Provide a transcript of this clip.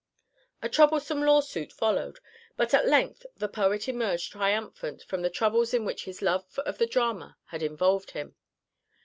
A troublesome law suit followed, but at length the poet emerged triumphant from the troubles in which his love of the drama had involved him.